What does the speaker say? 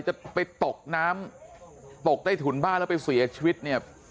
จะไปตกน้ำตกใต้ถุนบ้านแล้วไปเสียชีวิตเนี่ย